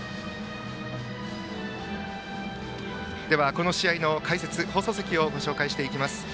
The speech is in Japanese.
この試合の解説、放送席をご紹介していきます。